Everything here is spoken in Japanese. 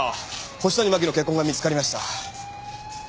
星谷真輝の血痕が見つかりました。